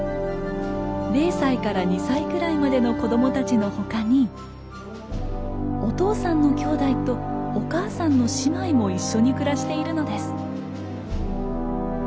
０歳から２歳くらいまでの子供たちの他にお父さんの兄弟とお母さんの姉妹も一緒に暮らしているのです。